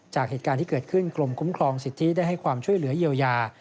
จากเหตุการณ์ที่เกิดขึ้นกรมคุ้มครองสิทธิได้ให้ความช่วยเหลือเยียวยา